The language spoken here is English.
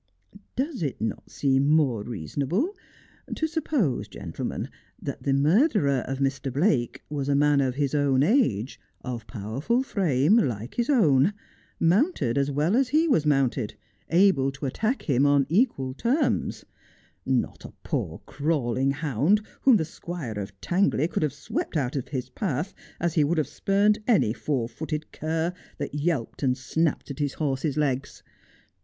Does it not seem more reasonable to sup pose, gentlemen, that the murderer of Mr. Blake was a man of his own age, of powerful frame, like his own, mounted as well as he was mounted, able to attack him upon equal terms ; not a poor crawling hound whom the squire of Tangley could have swept out of his path as he would have spurned any four footed cur that yelped and snapped at his horse's legs